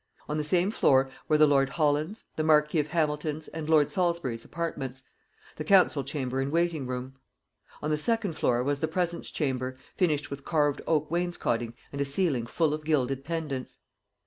On the same floor were the lord Holland's, the marquis of Hamilton's, and lord Salisbury's apartments, the council chamber and waiting room. On the second floor was the presence chamber, finished with carved oak wainscoting and a ceiling full of gilded pendants.